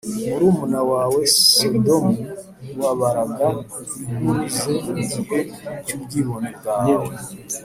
Murumuna wawe Sodomu ntiwabaraga inkuru ze mu gihe cy’ubwibone bwawe